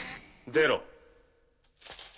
出ろ。